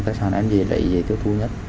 tài sản em dễ lấy dễ tiêu thu nhất